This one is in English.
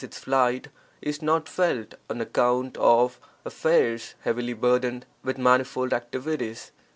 its flight) is not felt on account of affairs heavily burdened with manifold activities.